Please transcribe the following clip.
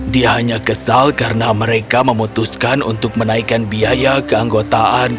dia hanya kesal karena mereka memutuskan untuk menaikkan biaya ke anggota mereka